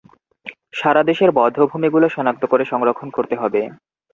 সারা দেশের বধ্যভূমিগুলো শনাক্ত করে সংরক্ষণ করতে হবে।